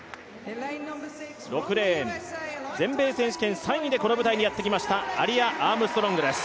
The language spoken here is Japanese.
６レーン、全米選手権３位でこの舞台にやってきました、アリア・アームストロングです。